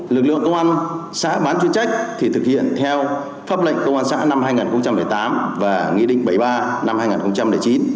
lực lượng công an xã bán chuyên trách thì thực hiện theo pháp lệnh công an xã năm hai nghìn một mươi tám và nghị định bảy mươi ba năm hai nghìn chín